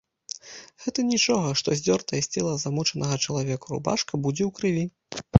Гэта нічога, што здзёртая з цела замучанага чалавека рубашка будзе ў крыві.